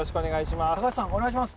高橋さん、お願いします。